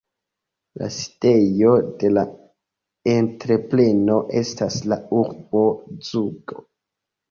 La sidejo de la entrepreno estas la urbo Zugo.